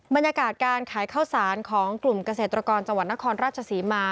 บรรยากาศการขายข้าวสารของกลุ่มเกษตรกรจังหวัดนครราชศรีมา